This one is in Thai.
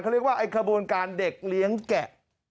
เขาเรียกว่าไอ้ขบวนการเด็กเลี้ยงแกะ